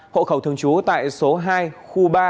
hộ khẩu thường trú tại số hai khu ba